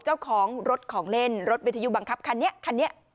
เจ้าของรถของเล่นรถวิทยุบังคับคันนี้คันนี้